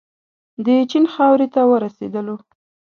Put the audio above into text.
د چین خاورې ته ورسېدلو.